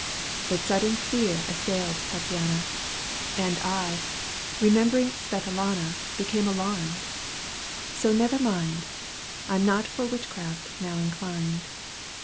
133 But sudden fear assailed Tattiana, And I, remembering Svetlana,^* Become alarmed. So never mind ! I'm not for witchcraft now inclined.